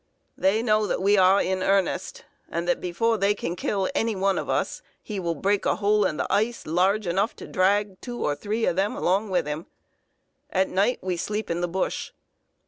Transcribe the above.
They know that we are in earnest, and that before they can kill any one of us, he will break a hole in the ice large enough to drag two or three of them along with him. At night we sleep in the bush.